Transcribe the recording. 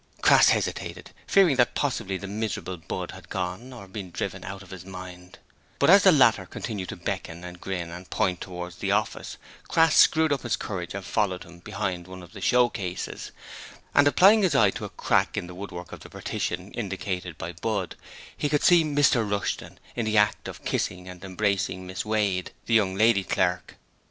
Crass hesitated, fearing that possibly the miserable Budd had gone or been driven out of his mind; but as the latter continued to beckon and grin and point towards the office Crass screwed up his courage and followed him behind one of the showcases, and applying his eye to a crack in the woodwork of the partition indicated by Budd, he could see Mr Rushton in the act of kissing and embracing Miss Wade, the young lady clerk.